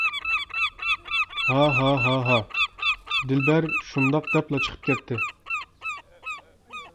-ھا ھا ھا ھا. دىلبەر شۇنداق دەپلا چىقىپ كەتتى.